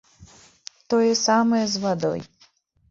Тое самае з вадой.